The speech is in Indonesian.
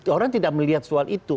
orang tidak melihat soal itu